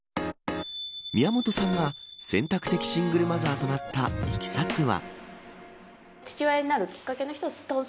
宮本さんが選択的シングルマザーとなったいきさつは。